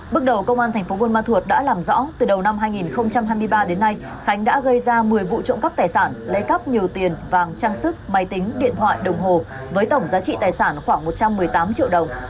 bước đầu công an thành phố buôn ma thuột đã làm rõ từ đầu năm hai nghìn hai mươi ba đến nay khánh đã gây ra một mươi vụ trộm cắp tài sản lấy cắp nhiều tiền vàng trang sức máy tính điện thoại đồng hồ với tổng giá trị tài sản khoảng một trăm một mươi tám triệu đồng